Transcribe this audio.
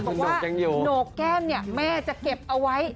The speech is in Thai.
บอกว่าโหนกแก้มเนี่ยแม่จะเก็บเอาไว้